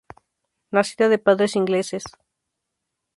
Nacida de padres ingleses.